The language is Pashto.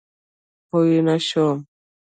پوی نه شوم.